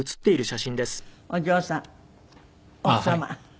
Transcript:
お嬢さん奥様。